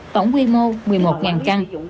tổng quy mô một mươi một căn